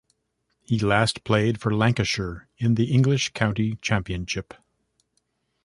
He last played for Lancashire in the English County Championship.